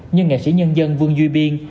như nghệ sĩ nhân dân vương duy biên